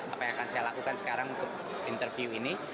apa yang akan saya lakukan sekarang untuk interview ini